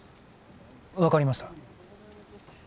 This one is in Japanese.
分かりました。